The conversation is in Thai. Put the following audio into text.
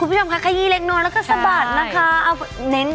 คุณผู้ชมค่ะขยี้เล็กน้อยแล้วก็สะบัดนะคะ